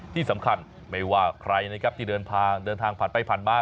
ที่สำคัญไม่ว่าใครนะครับที่เดินทางเดินทางผ่านไปผ่านมา